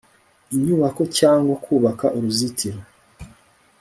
inyubako cyangwa kubaka uruzitiro